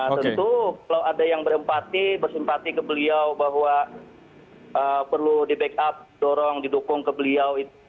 tentu kalau ada yang berempati bersimpati ke beliau bahwa perlu di backup dorong didukung ke beliau